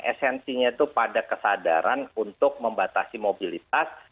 esensinya itu pada kesadaran untuk membatasi mobilitas